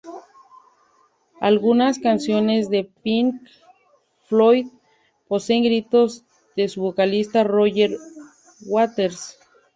Algunas canciones de Pink Floyd poseen gritos de su vocalista Roger Waters.